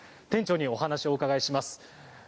店長にお話を伺います。